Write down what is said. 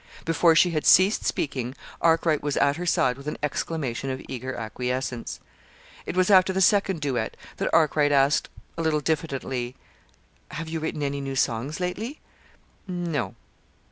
Before she had ceased speaking, Arkwright was at her side with an exclamation of eager acquiescence. It was after the second duet that Arkwright asked, a little diffidently. "Have you written any new songs lately?" "No."